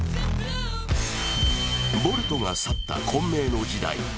ボルトが去った混迷の時代。